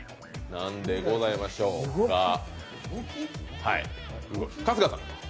何でございましょうか。